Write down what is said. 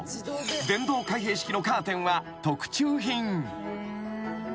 ［電動開閉式のカーテンは特注品］